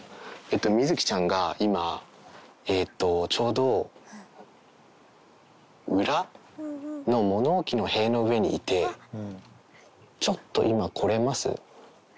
みづきちゃんが今、ちょうど裏の物置の塀の上にいて、ちょっと今、来れます？